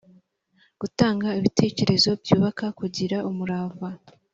gutanga ibitekerezo byubaka kugira umurava